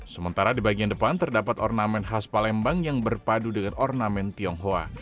sementara di bagian depan terdapat ornamen khas palembang yang berpadu dengan ornamen tionghoa